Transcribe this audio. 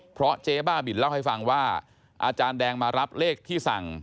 เพราะเจ๊บ้าบินเล่าให้ฟังว่าอาจารย์แดงมารับเลขที่สั่ง